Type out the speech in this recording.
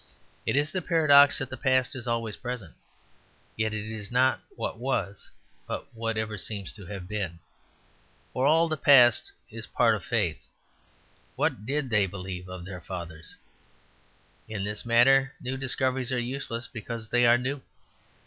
It is the paradox that the past is always present: yet it is not what was, but whatever seems to have been; for all the past is a part of faith. What did they believe of their fathers? In this matter new discoveries are useless because they are new.